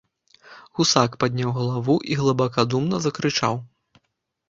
Гусак падняў галаву і глыбакадумна закрычаў.